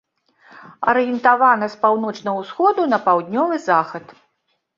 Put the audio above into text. Арыентавана з паўночнага ўсходу на паўднёвы захад.